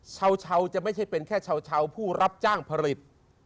ชาวจะไม่ใช่เป็นแค่ชาวผู้รับจ้างผลิต